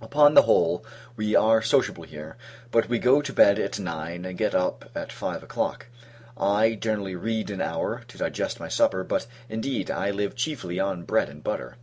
Upon the whole, we are sociable here; but we go to bed at nine, and get up at five o'clock. I generally read an hour, to digest my supper; but, indeed, I live chiefly on bread and butter.